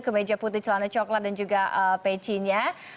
ke meja putih celana coklat dan juga pecinya